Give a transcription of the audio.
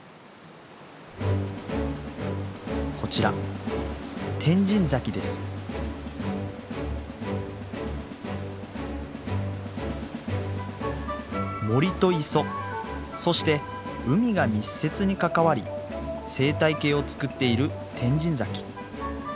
こちら森と磯そして海が密接に関わり生態系を作っている天神崎。